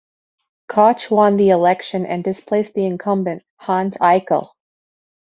Koch won the election and displaced the incumbent, Hans Eichel.